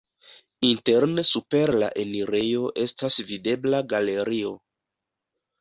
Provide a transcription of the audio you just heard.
Interne super la enirejo estas videbla galerio.